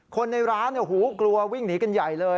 คนในร้านกลัววิ่งหนีกันใหญ่เลย